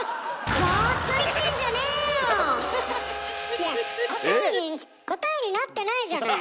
いや答えになってないじゃない。